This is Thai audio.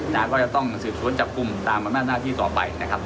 แล้วก็จะต้องสิบสวนจับกลุ่มตามมาแม่งหน้าที่ต่อไปนะครับ